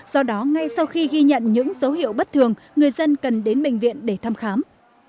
do đó ngay sau khi ghi nhận những dấu hiệu bất thường người dân cần đến bệnh viện để thăm khám